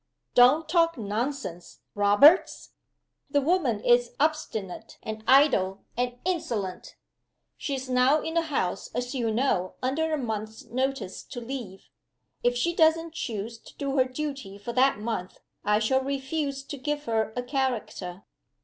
"Don't talk nonsense, Roberts! The woman is obstinate and idle and insolent. She is now in the house, as you know, under a month's notice to leave. If she doesn't choose to do her duty for that month I shall refuse to give her a character.